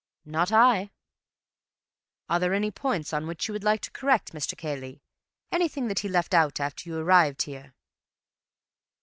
"Not I." "Are there any points on which you would like to correct Mr. Cayley?—anything that he left out after you arrived here?"